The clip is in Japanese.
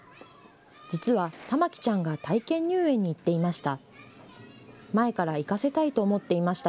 実は圭護来ちゃんが体験入園に行っていました。